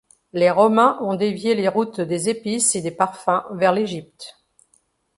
Les Romains ont dévié les routes des épices et des parfums vers l'Égypte.